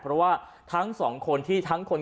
เพราะว่าทั้งสองคนที่ทั้งคน